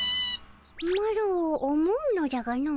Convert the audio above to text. マロ思うのじゃがの。